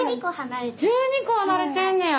１２こ離れてんねや！